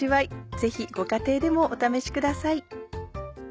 ぜひご家庭でもお試しください。